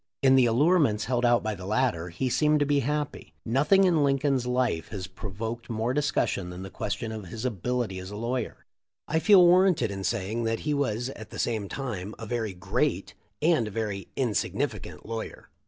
In the allurements held out by the latter he seemed to be happy. Nothing in Lincoln's life has pro voked more discussion than the question of his ability as a lawyer. I feel warranted in saying that he was at the same time a very great and a very insignificant lawyer.